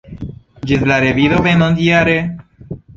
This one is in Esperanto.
Ĝis la revido venontjare!